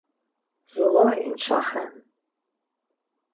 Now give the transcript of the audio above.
Zuğa inçaxen.